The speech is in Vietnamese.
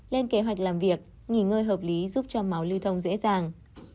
lên kế hoạch làm việc nghỉ ngơi hợp lý giúp cho máu lưu thông dễ dàng